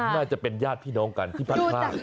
น่าจะเป็นญาติพี่น้องกันที่พัดพลาก